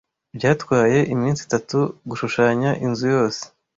Byatwaye iminsi itatu gushushanya inzu yose.